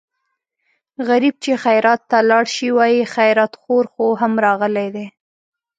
غریب چې خیرات ته لاړ شي وايي خیراتخور خو هم راغلی دی.